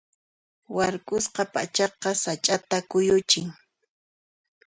Warkusqa p'achaqa sach'ata kuyuchin.